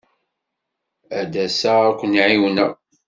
Ad d-asaɣ ad ken-ɛiwneɣ.